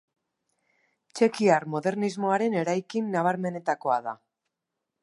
Txekiar modernismoaren eraikin nabarmenetakoa da.